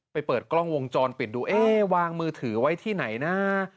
เปิดกล้องวงจรปิดดูเอ๊ะวางมือถือไว้ที่ไหนนะ